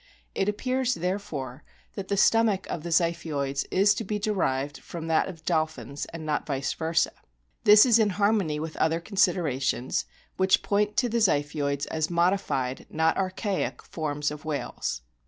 It appears, therefore, that the stomach of the Ziphioids is to be derived from that of dolphins, and not vice versa. This is in harmony with other considerations, which point to the Ziphioids as modified, not archaic, forms of whales.